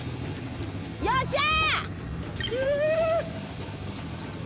よっしゃ！